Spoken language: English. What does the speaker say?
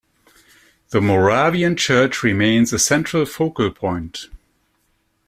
The Moravian Church remains a central focal point.